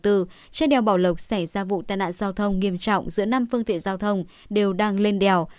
trên đèo bảo lộc xảy ra vụ tai nạn giao thông nghiêm trọng giữa năm phương tiện giao thông đều đang lên đèo